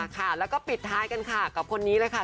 ค่ะแล้วก็ปิดท้ายกันค่ะกับคนนี้เลยค่ะ